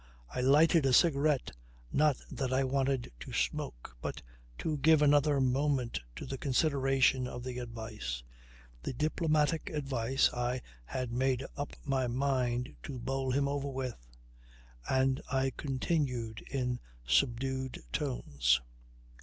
I lighted a cigarette, not that I wanted to smoke, but to give another moment to the consideration of the advice the diplomatic advice I had made up my mind to bowl him over with. And I continued in subdued tones.